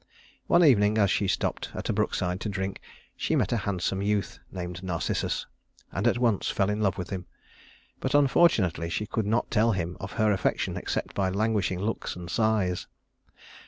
One evening as she stopped at a brookside to drink, she met a handsome youth named Narcissus, and at once fell in love with him; but unfortunately she could not tell him of her affection except by languishing looks and sighs.